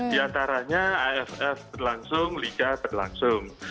di antaranya aff berlangsung liga berlangsung